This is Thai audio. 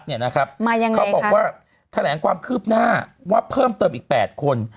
เขาบอกว่าแถลงความคืบหน้าว่าเพิ่มเติมอีก๘คน